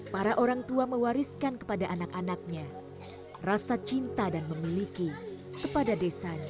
para orang tua mewariskan kepada anak anaknya rasa cinta dan memiliki kepada desanya